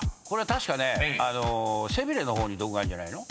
確かね背びれの方に毒があんじゃないの？